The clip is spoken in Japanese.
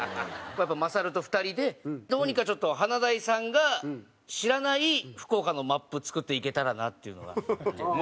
マサルと２人でどうにかちょっと華大さんが知らない福岡のマップを作って行けたらなっていうのが。